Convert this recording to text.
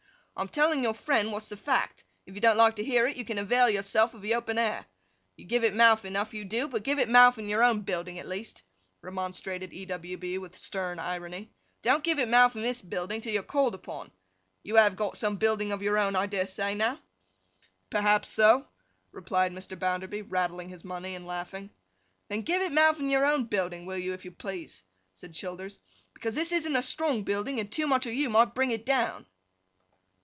'I am telling your friend what's the fact; if you don't like to hear it, you can avail yourself of the open air. You give it mouth enough, you do; but give it mouth in your own building at least,' remonstrated E. W. B. with stern irony. 'Don't give it mouth in this building, till you're called upon. You have got some building of your own I dare say, now?' 'Perhaps so,' replied Mr. Bounderby, rattling his money and laughing. 'Then give it mouth in your own building, will you, if you please?' said Childers. 'Because this isn't a strong building, and too much of you might bring it down!